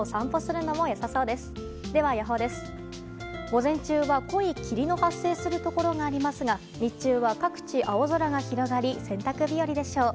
午前中は、濃い霧の発生するところがありますが日中は各地、青空が広がり洗濯日和でしょう。